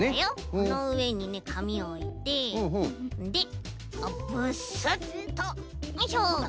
このうえにねかみおいてでブスッとよいしょ。